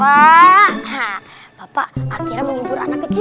wah bapak akhirnya menghibur anak kecil